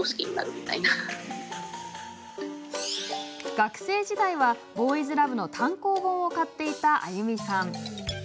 学生時代はボーイズラブの単行本を買っていたアユミさん。